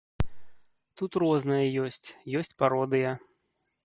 Тут рознае ёсць, ёсць пародыя.